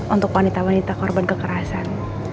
untuk wanita wanita korban kekerasan